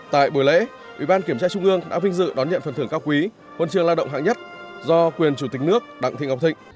tại buổi lễ ủy ban kiểm tra trung ương đã vinh dự đón nhận phần thưởng cao quý huân trường lao động hạng nhất do quyền chủ tịch nước đặng thị ngọc thịnh